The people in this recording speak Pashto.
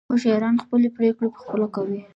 هوښیاران خپلې پرېکړې په خپله کوي.